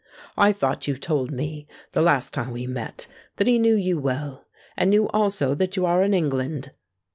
"I thought you told me, the last time we met, that he knew you well—and knew also that you are in England?"